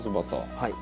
はい。